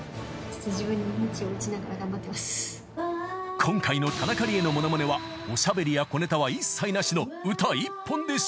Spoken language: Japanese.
［今回の田中理恵のモノマネはおしゃべりや小ネタは一切なしの］